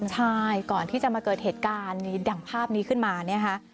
ใช่ก่อนที่จะมาเกิดเหตุการณ์ดังภาพนี้ขึ้นมาเนี่ยค่ะ